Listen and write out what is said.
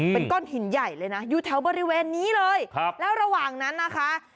เป็นก้อนหินใหญ่เลยนะอยู่แถวบริเวณนี้เลยครับแล้วระหว่างนั้นนะคะ